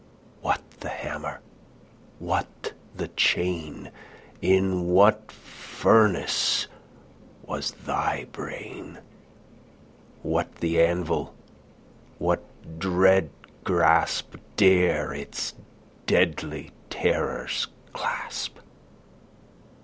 What the hammer? what the chain? In what furnace was thy brain? What the anvil? what dread grasp Dare its deadly terrors clasp?